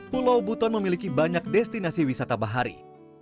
pulau buton memiliki banyak destinasi wisata bahari